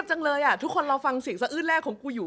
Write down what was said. เยอะจังเลยทุกคนเราฟังสิ่งสออืนแรกของกูอยู่